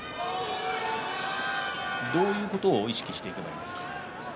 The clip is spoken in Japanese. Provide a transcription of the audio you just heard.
どういうことを意識すればいいですか。